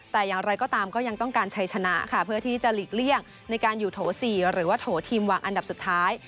แต่อย่างไรก็ตามก็ยังต้องการใช้ชนะค่ะเพื่อที่จะหลีกเลี่ยงในการอยู่โถ๔หรือว่าโถทีมวางอันดับสุดท้าย